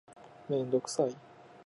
メンドクサイ